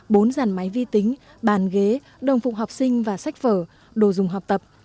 bốn dàn máy vi tính bàn ghế đồng phục học sinh và sách vở đồ dùng học tập